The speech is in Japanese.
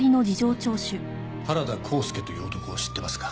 原田幸助という男を知ってますか？